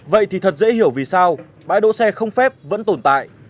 vậy thì thật dễ hiểu vì sao bãi đỗ xe không phép vẫn tồn tại